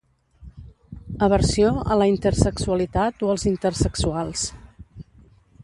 Aversió a la intersexualitat o als intersexuals.